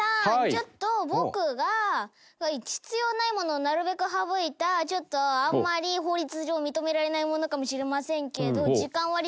ちょっと僕が必要ないものをなるべく省いたちょっとあんまり法律上認められないものかもしれませんけど時間割を。